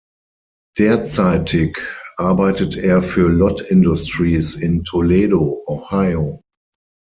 Derzeitig arbeitet er für "Lott Industries" in Toledo, Ohio.